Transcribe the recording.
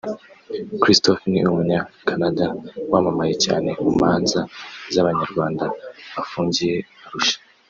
Christopher ni Umunyakanada wamamaye cyane mu manza z’Abanyarwanda bafungiye Arusha